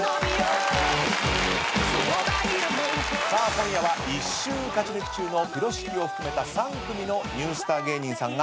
今夜は１週勝ち抜き中のぴろしきを含めた３組のニュースター芸人さんが登場いたします。